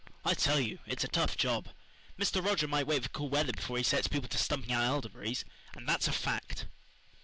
"I tell you it's a tough job. Mr. Roger might wait for cool weather before he sets people to stumping out elderberries, and that's a fact."